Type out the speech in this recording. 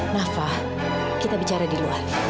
nafa kita bicara di luar